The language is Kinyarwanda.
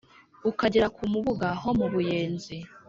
Ukagera ku Mubuga ho mu Buyenzi